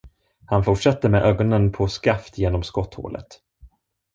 Han fortsatte med ögonen på skaft genom skotthålet.